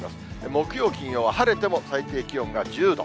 木曜、金曜は晴れても、最低気温が１０度。